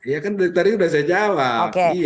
ya kan dari tadi sudah saya jawab